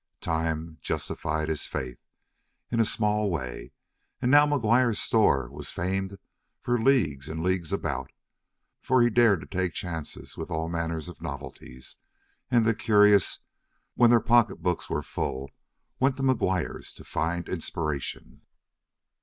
Time justified his faith, in a small way, and now McGuire's store was famed for leagues and leagues about, for he dared to take chances with all manner of novelties, and the curious, when their pocketbooks were full, went to McGuire's to find inspiration.